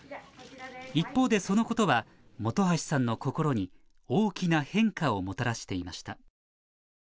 一方でそのことは本橋さんの心に大きな変化をもたらしていました